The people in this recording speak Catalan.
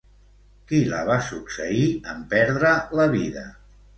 Qui la va succeir, en perdre la vida?